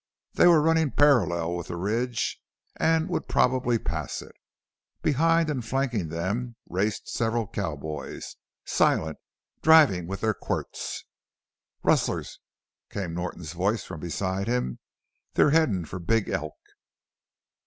They were running parallel with the ridge and would probably pass it. Behind and flanking them raced several cowboys, silent, driving with their quirts. "Rustlers!" came Norton's voice from beside him. "They're headin' for Big Elk!"